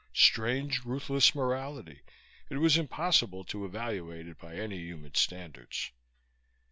Strange, ruthless morality; it was impossible to evaluate it by any human standards.